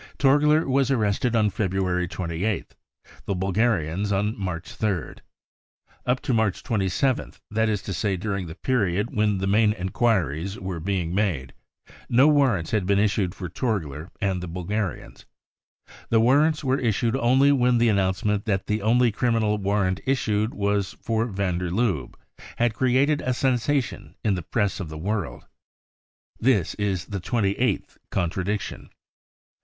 Torgler was arrested on February 28th, the Bulgarians on March 3rd. Up to March 27th, that is to say during the period when the main enquiries were being IIO BROWN BOOK OF THE HITLER TERROR made, no warrants had been issuecf for Torgler and the Bulgarians. The warrants were issued only when the announcement that the only criminal warrant issued was for van der Lubbe had created a sensation in the Press of the world. This is the twenty eighth contradiction.